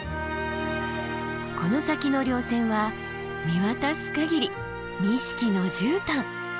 この先の稜線は見渡す限り錦の絨毯。